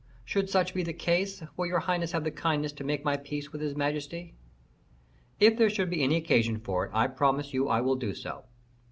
Should such be the case, will your highness have the kindness to make my peace with his majesty?" "If there should be any occasion for it, I promise you I will do so.